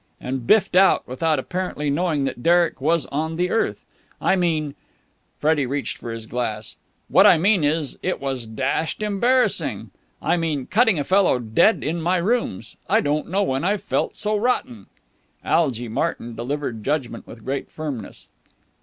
and biffed out, without apparently knowing that Derek was on the earth. I mean...." Freddie reached for his glass. "What I mean is, it was dashed embarrassing. I mean, cutting a fellow dead in my rooms. I don't know when I've felt so rotten!" Algy Martyn delivered judgment with great firmness.